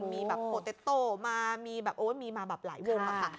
มีแบบโปเต็ตโตมีแบบโอ๋มีมาแบบหลายวงค่ะ